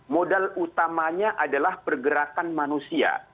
modal utamanya adalah pergerakan manusia